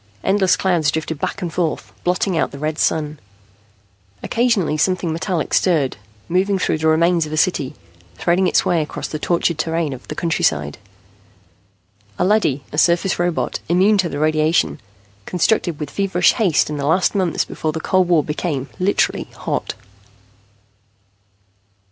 Endless clouds drifted back and forth, blotting out the red Sun. Occasionally something metallic stirred, moving through the remains of a city, threading its way across the tortured terrain of the countryside. A leady, a surface robot, immune to radiation, constructed with feverish haste in the last months before the cold war became literally hot.